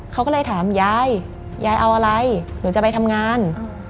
เขาก็เลยถามยายยายเอาอะไรหนูจะไปทำงาน